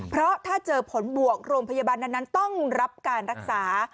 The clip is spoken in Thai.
เพราะถ้าเจอผลบวกโรงพยาบาลนั้นต้องรับการรักษา